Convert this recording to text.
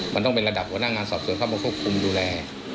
มันต้องเป็นระดับหัวหน้างานสอบส่วนเข้ามาควบคุมดูแล